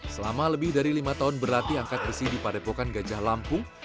selama lebih dari lima tahun berlatih angkat besi di padepokan gajah lampung